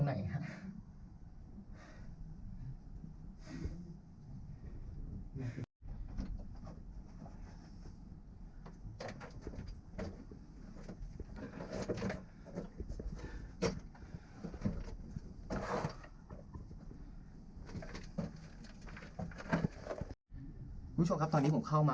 อ่าอ่าอ่าอ่าอ่า